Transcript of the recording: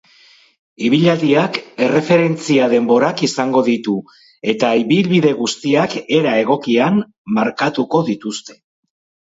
Ibilaldiak erreferentzia-denborak izango ditu eta ibilbide guztiak era egokian markatuko dituzte.